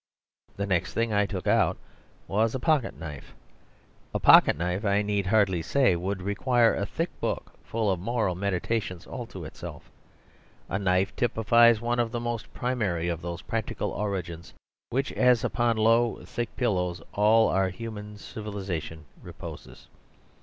The next thing that I took out was a pocket knife. A pocket knife, I need hardly say, would require a thick book full of moral meditations all to itself. A knife typifies one of the most primary of those practical origins upon which as upon low, thick pillows all our human civilisation reposes.